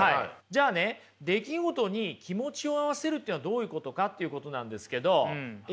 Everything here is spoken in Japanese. じゃあね出来事に気持ちを合わせるというのはどういうことかということなんですけどエピクテトスはですね